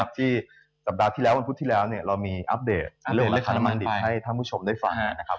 ที่สัปดาห์ที่แล้ววันพุธที่แล้วเรามีอัปเดตเรื่องราคาน้ำมันดิบให้ท่านผู้ชมได้ฟังนะครับ